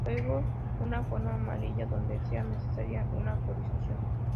Luego una zona amarilla, donde sea necesaria una autorización.